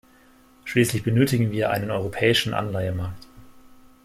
Schließlich benötigen wir einen europäischen Anleihemarkt.